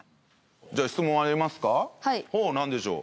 じゃあ質問ありますか？